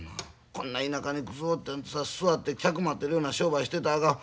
こんな田舎にくすぶって座って客待ってるような商売してたらあかん。